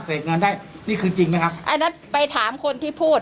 เงินได้นี่คือจริงไหมครับอันนั้นไปถามคนที่พูด